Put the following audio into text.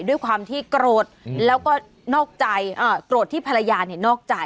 ด้วยความที่โกรธแล้วก็นอกใจโกรธที่ภรรยานอกใจ